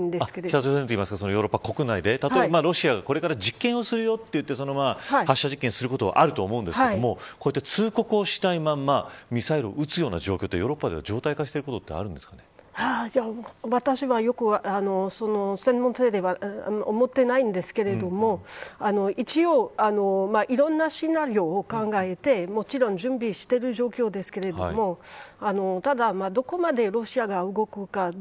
北朝鮮というよりはヨーロッパ域内で例えばこれから実験すると言って発射実験することはあると思うんですけどこういった通告をしないままミサイルを撃つ状況はヨーロッパでは常態化してることは私は専門性では思ってないんですけれども一応、いろんなシナリオを考えてもちろん準備している状況ですけどもただ、どこまでロシアが動くか。